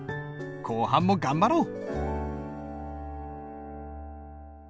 後半も頑張ろう。